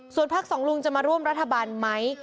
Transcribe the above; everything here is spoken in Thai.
ส่วนพักสองลุงจะมาร่วมรัฐบาลไหม